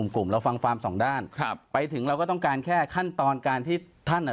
กลุ่มเราฟังฟาร์มสองด้านครับไปถึงเราก็ต้องการแค่ขั้นตอนการที่ท่านอ่ะ